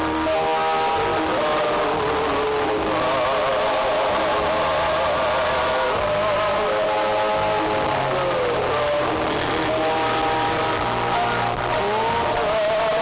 dan diikuti oleh para undangan lainnya